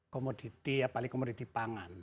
komoditi paling komoditi pangan